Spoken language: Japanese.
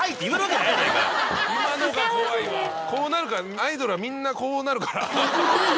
こうなるからアイドルはみんなこうなるから。